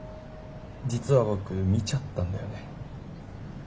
実は僕見ちゃったんだよね。